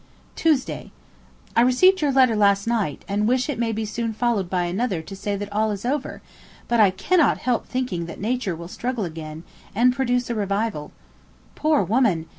'Tuesday. I received your letter last night, and wish it may be soon followed by another to say that all is over; but I cannot help thinking that nature will struggle again, and produce a revival. Poor woman!